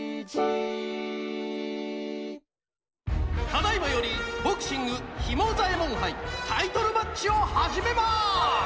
ただいまよりボクシングひもざえもんはいタイトルマッチをはじめます！